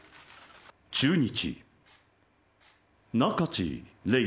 中日